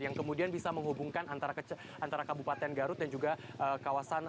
yang kemudian bisa menghubungkan antara kabupaten garut dan juga kawasan